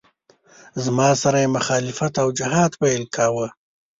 زما سره یې مخالفت او جهاد پیل کاوه.